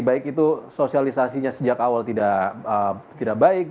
baik itu sosialisasinya sejak awal tidak baik